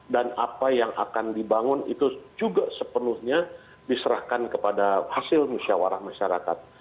dan apa yang akan dibangun itu juga sepenuhnya diserahkan kepada hasil musyawarah masyarakat